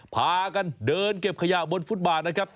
พากันเดินเก็บขยะบนฟุตบาทนะครับ